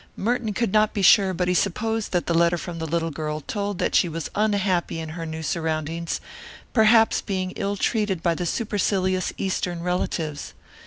Merton could not be sure, but he supposed that the letter from the little girl told that she was unhappy in her new surroundings, perhaps being ill treated by the supercilious Eastern relatives.